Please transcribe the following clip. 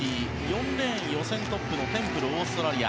４レーン、予選トップのテンプル、オーストラリア。